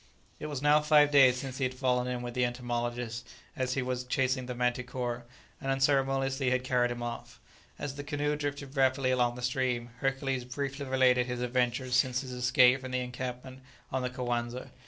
It was now five days since he had fallen in with the entomologist as he was chasing the manticora, and unceremoniously had carried him off. As the canoe drifted rapidly along the stream, Hercules briefly related his adventures since his escape from the encampment on the Coanza.